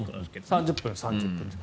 ３０分、３０分です。